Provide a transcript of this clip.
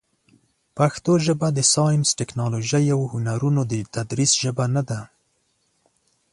پښتو ژبه د ساینس، ټکنالوژۍ، او هنرونو د تدریس ژبه نه ده.